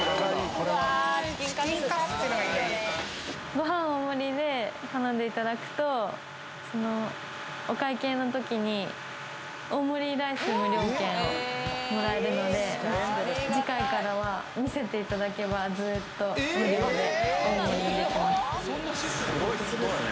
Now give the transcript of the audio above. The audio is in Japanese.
ご飯大盛りで頼んでいただくと、お会計のときに大盛りライス無料券をもらえるので、次回からは見せていただければ、ずっと無料で大盛りにできます。